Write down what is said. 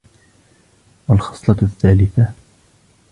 وَالْخَصْلَةُ الثَّالِثَةُ